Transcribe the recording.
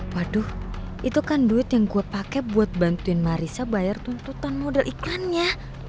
waduh itu kan duit yang gue pakai buat bantuin marissa bayar tuntutan model iklannya